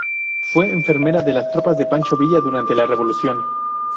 Fue enfermera de las tropas de Pancho Villa durante la revolución.